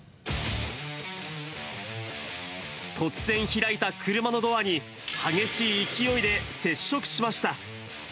突然開いた車のドアに、激しい勢いで接触しました。